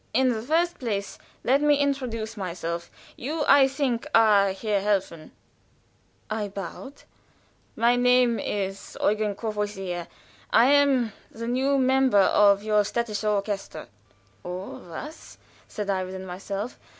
In the first place let me introduce myself; you, I think, are Herr Helfen?" I bowed. "My name is Eugen Courvoisier. I am the new member of your städtisches Orchester." "O, was!" said I, within myself.